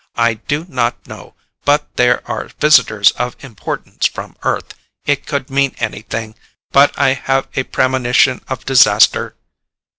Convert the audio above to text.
"I do not know, but there are visitors of importance from Earth. It could mean anything, but I have a premonition of disaster.